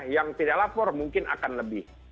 yang tidak lapor mungkin akan lebih